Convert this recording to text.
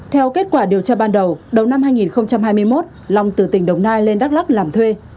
theo kết quả điều tra ban đầu đầu năm hai nghìn hai mươi một long từ tỉnh đồng nai lên đắk lắc làm thuê